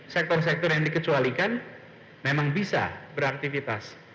sektor sektor yang dikecualikan memang bisa beraktivitas